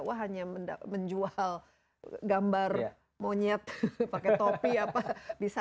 wah hanya menjual gambar monyet pakai topi apa bisa